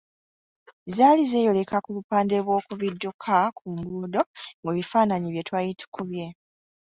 Zaali zeeyoleka ku bupande bw’oku bidduka ku nguudo mu bifaananyi bye twali tukubye.